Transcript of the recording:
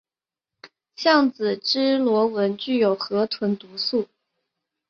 橡子织纹螺具有河鲀毒素。